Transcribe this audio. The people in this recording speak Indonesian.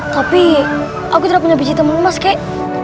tapi aku tidak punya biji sama emas kek